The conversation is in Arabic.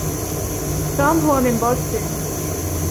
توم هو من بوستون.